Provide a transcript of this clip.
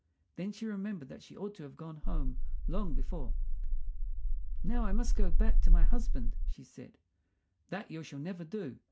Then she remembered that she ought to have gone home long before. "Now I must go back to my husband," she said. "That you shall never do!"